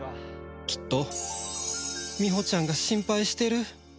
きっとみほちゃんが心配してる